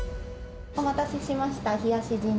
お待たせしました。